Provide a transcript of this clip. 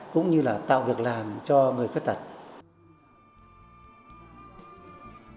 cũng như là tạo việc làm cho người khuyết tật